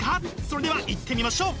それではいってみましょう！